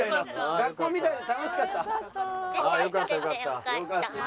学校みたいで楽しかった？